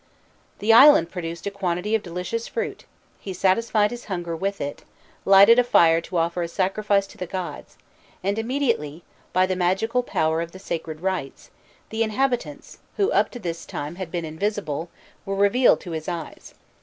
The island produced a quantity of delicious fruit: he satisfied his hunger with it, lighted a fire to offer a sacrifice to the gods, and immediately, by the magical power of the sacred rites, the inhabitants, who up to this time had been invisible, were revealed to his eyes.